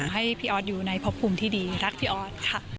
ให้พี่ออสอยู่ในพบภูมิที่ดีรักพี่ออสค่ะ